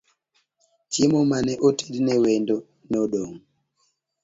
Chiemo mane otedne wendo nodong'